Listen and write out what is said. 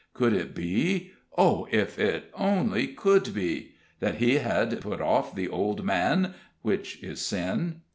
Could it be oh! if it only could be that he had put off the old man, which is sin!